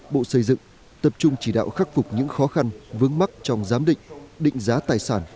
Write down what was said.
bộ xây dựng tập trung chỉ đạo khắc phục những khó khăn vướng mắc trong giám định định giá tài sản